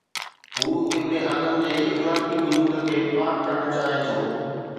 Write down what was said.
هو ابن آدم جي اخلاقي وجود کي پاڪ ڪرڻ چاهي ٿو.